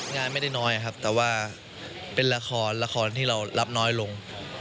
งานไม่ได้น้อยครับแต่ว่าเป็นละครละครที่เรารับน้อยลง